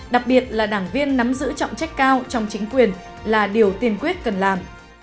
đặc biệt là đảng viên nắm giữ trọng trách cao trong chính quyền là điều tiên quyết cần làm